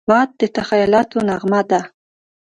باد د تخیلاتو نغمه ده